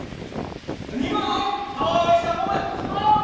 ２万、大したもんや、違う？